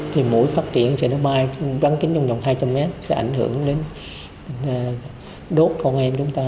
thì mỗi phát triển cho nó bay đánh kính trong vòng hai trăm linh mét sẽ ảnh hưởng đến đốt con em chúng ta